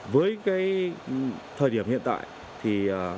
với thời điểm hiện tại